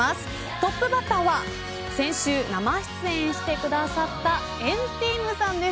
トップバッターは先週、生出演してくださった＆ＴＥＡＭさんです。